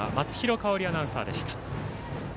松廣香織アナウンサーでした。